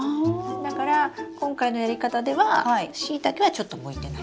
だから今回のやり方ではシイタケはちょっと向いてない。